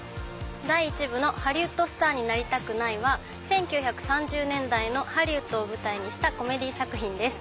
第１部の「ハリウッドスターになりたくない！」は１９３０年代のハリウッドを舞台にしたコメディー作品です。